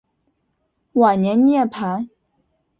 晚年涅盘。